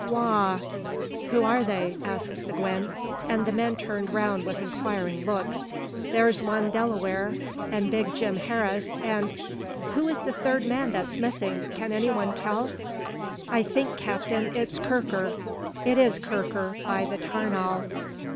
Wagh!" "Who are they?" asked Seguin, and the men turned round with inquiring looks. "Thar's one Delaware, and big Jim Harris, and " "Who is the third man that's missing? Can anyone tell?" "I think, captain, it's Kirker." "It is Kirker, by the 'tarnal!